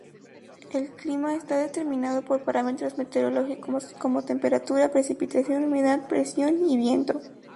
El clima está determinado por parámetros meteorológicos como temperatura, precipitación, humedad, presión y viento.